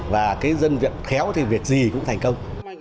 và cái dân việc khéo thì việc gì cũng thành công